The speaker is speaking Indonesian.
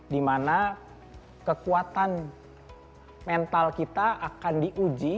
dimana kekuatan mental kita akan diuji